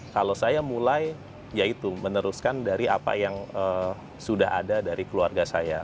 kalau saya mulai ya itu meneruskan dari apa yang sudah ada dari keluarga saya